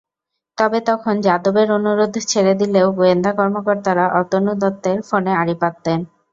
তবে তখন যাদবের অনুরোধে ছেড়ে দিলেও গোয়েন্দা কর্মকর্তারা অতনু দত্তের ফোনে আড়ি পাতেন।